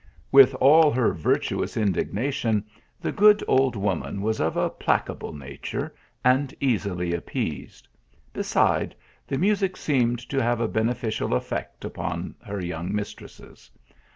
With all her virtuous indignation, the good old woman was of a placable nature and easily appeased, Beside, the music seemed to have a beneficial effect upon her young mistresses.